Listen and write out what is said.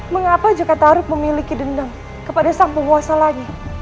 mengapa jakataru memiliki dendam kepada sang penguasa langit